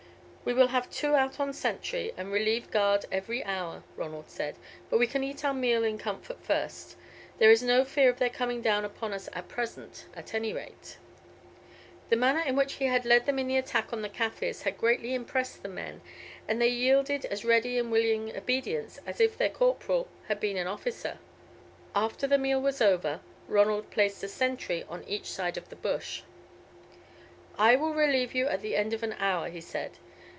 "We will have two out on sentry, and relieve guard every hour," Ronald said, "but we can eat our meal in comfort first. There is no fear of their coming down upon us at present, at any rate." The manner in which he had led them in the attack on the Kaffirs had greatly impressed the men, and they yielded as ready and willing obedience, as if their corporal had been an officer. After the meal was over, Ronald placed a sentry on each side of the bush. "I will relieve you at the end of an hour," he said.